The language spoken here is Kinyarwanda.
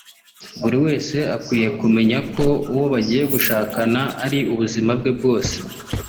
Buri wese agomba kumenya ko uwo bagiye gushakana ari ubuzima bwe bwose